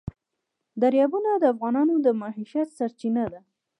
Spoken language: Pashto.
دریابونه د افغانانو د معیشت سرچینه ده.